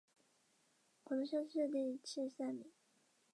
李弼雨是钟表店老板的儿子。